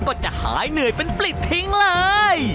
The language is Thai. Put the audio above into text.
ก็จะหายเหนื่อยเป็นปลิดทิ้งเลย